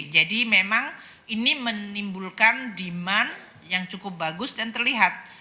jadi memang ini menimbulkan demand yang cukup bagus dan terlihat